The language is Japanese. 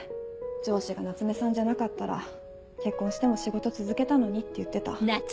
上司が夏目さんじゃなかったら結婚しても仕事続けたのにって言ってた。